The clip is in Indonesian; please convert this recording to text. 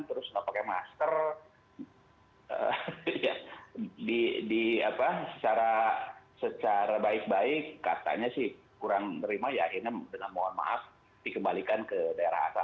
terus nggak pakai masker secara baik baik katanya sih kurang menerima ya akhirnya dengan mohon maaf dikembalikan ke daerah asal